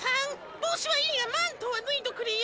帽子はいいがマントは脱いどくれよ。